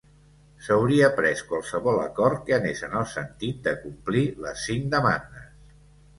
S'hauria pres qualsevol acord que anés en el sentit de complir les cinc demandes.